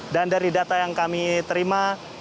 dan dari data yang kami terima